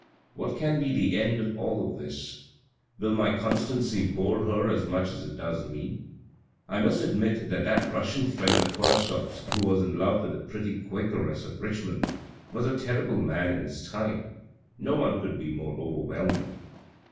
What can be the end of all this ? Will my constancy bore her as much as it does me ? I must admit that that Russian friend of Korasoff's who was in love with the pretty Quakeress of Richmond, was a terrible man in his time ; no one could be more overwhelming."